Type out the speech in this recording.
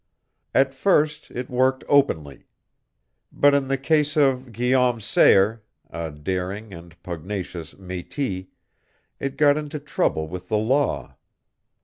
"At first it worked openly. But in the case of Guillaume Sayer, a daring and pugnacious mètis, it got into trouble with the law.